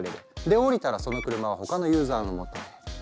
で降りたらその車は他のユーザーの元へ。